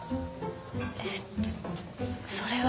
えっとそれは。